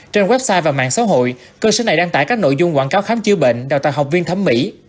trên website và mạng xã hội cơ sở này đăng tải các nội dung quảng cáo khám chữa bệnh đào tạo học viên thấm mỹ